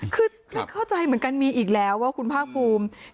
คือไม่เข้าใจเหมือนกันมีอีกแล้วว่าคุณภาคภูมิ